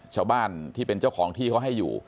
ชาวบ้านที่เป็นเจ้าของที่เขาให้อยู่